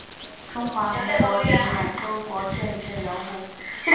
中华民国及满洲国政治人物。